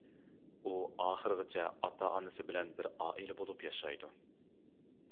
ئۇ ئاخىرغىچە ئاتا-ئانىسى بىلەن بىر ئائىلە بولۇپ ياشايدۇ.